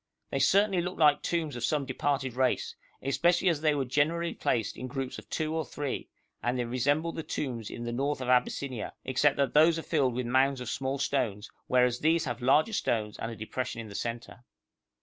They certainly looked like tombs of some departed race, especially as they were generally placed in groups of two or three, and they resembled the tombs in the north of Abyssinia, except that those are filled with mounds of small stones, whereas these have larger stones and a depression in the centre.